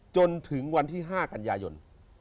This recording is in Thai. จนถึงวันที่๕กันยายน